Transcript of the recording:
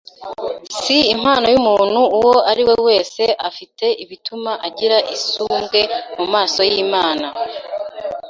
si impano y’umuntu uwo ari we wese afite bituma agira isumbwe mu maso y’Imana.